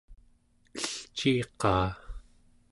elciiqaa